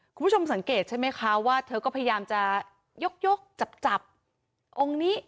คุณผู้ชมสังเกตใช่ไหมคะว่าเธอก็พยายามจะยกจับจับองค์นี้